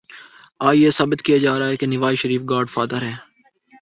آج یہ ثابت کیا جا رہا ہے کہ نوازشریف گاڈ فادر ہے۔